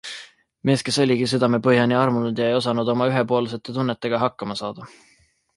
Mees, kes oligi südamepõhjani armunud ja ei osanud oma ühepoolsete tunnetega hakkama saada.